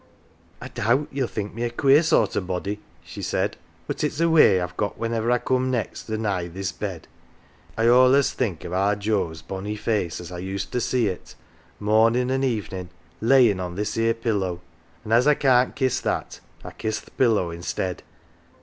" I doubt yell think me a queer sort of body," she said. " But it's a way I've got whenever I come next or nigh this bed. Ye see I all'ays think o' our Joe's bonny face as I used to see it, mornin' an' evenin', laying on this here pillow, an' as I can't kiss that, I kiss th' .pillow i'stead."